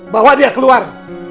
bawa dia keluar